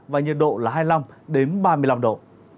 và nhiệt độ là hai mươi năm ba mươi năm độ